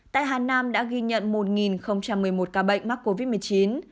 tại hà nam đã ghi nhận một một mươi một ca bệnh mắc covid một mươi chín